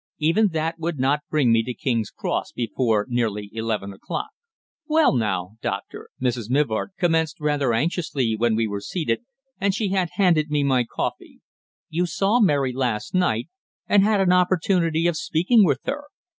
Even that would not bring me to King's Cross before nearly eleven o'clock. "Well now, doctor," Mrs. Mivart commenced rather anxiously when we were seated, and she had handed me my coffee. "You saw Mary last night, and had an opportunity of speaking with her.